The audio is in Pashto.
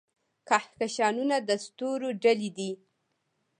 کهکشانونه د ستورو ډلې دي.